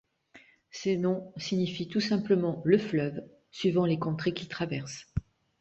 Ces noms signifient tout simplement « le fleuve », suivant les contrées qu’il traverse.